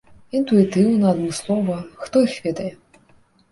Інтуітыўна, адмыслова, хто іх ведае.